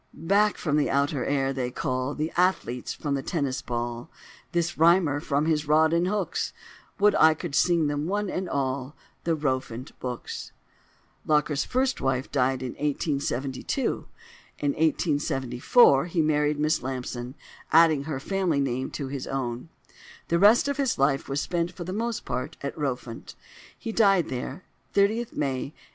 Back from the outer air they call The athletes from the Tennis ball, This Rhymer from his rod and hooks, Would I could sing them, one and all, The Rowfant books!" Locker's first wife died in 1872. In 1874 he married Miss Lampson, adding her family name to his own. The rest of his life was spent for the most part at Rowfant: he died there, 30th May 1895.